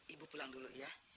ibu pulang dulu ya